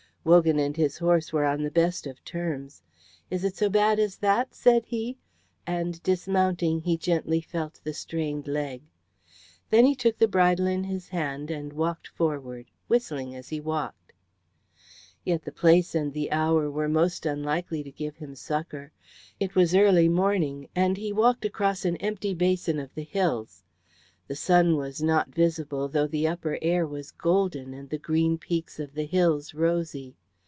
Wogan and his horse were on the best of terms. "Is it so bad as that?" said he, and dismounting he gently felt the strained leg. Then he took the bridle in his hand and walked forward, whistling as he walked. Yet the place and the hour were most unlikely to give him succour. It was early morning, and he walked across an empty basin of the hills. The sun was not visible, though the upper air was golden and the green peaks of the hills rosy.